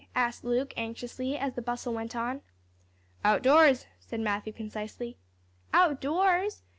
asked Luke, anxiously, as the bustle went on. "Outdoors," said Matthew, concisely. "Outdoors?"